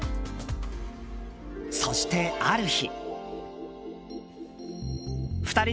そして、ある日。